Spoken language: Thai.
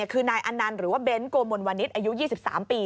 คือนายอนันต์หรือว่าเบ้นโกมลวันิษฐ์อายุ๒๓ปี